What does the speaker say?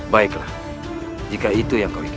baiklah jika itu yang kau inginkan